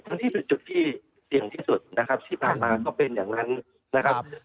ทั้งที่เป็นสิ่งสิ่งที่สุดที่ผ่านมาก็เป็นอย่างนั้น